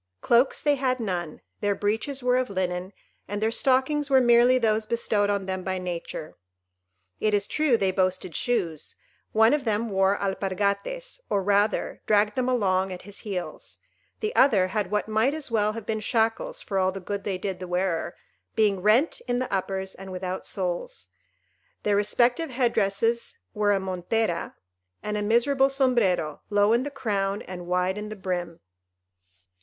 Cloaks they had none; their breeches were of linen, and their stockings were merely those bestowed on them by Nature. It is true they boasted shoes; one of them wore alpargates, or rather dragged them along at his heels; the other had what might as well have been shackles for all the good they did the wearer, being rent in the uppers, and without soles. Their respective head dresses were a montera and a miserable sombrero, low in the crown and wide in the brim.